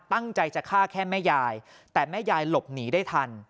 ตั้งใจจะฆ่าแค่แม่ยายแต่แม่ยายหลบหนีได้ทัน